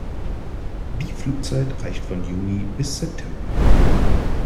Die Flugzeit reicht von Juni bis September.